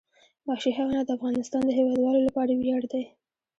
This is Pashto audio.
وحشي حیوانات د افغانستان د هیوادوالو لپاره ویاړ دی.